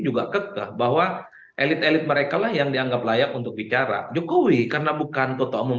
juga kekeh bahwa elit elit mereka lah yang dianggap layak untuk bicara jokowi karena bukan kota umum